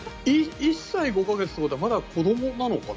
１歳５か月ってことはまだ子どもなのかな。